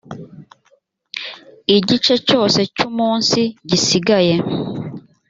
igice cyose cy umunsi gisigaye